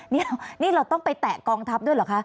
นี่เราต้องไปแตะกองทัพด้วยเหรอคะ